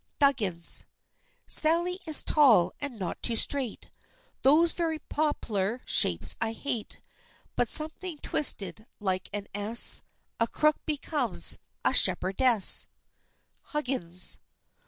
DUGGINS. Sally is tall and not too straight, Those very poplar shapes I hate; But something twisted like an S, A crook becomes a shepherdess. HUGGINS.